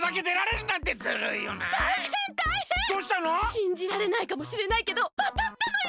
しんじられないかもしれないけどあたったのよ！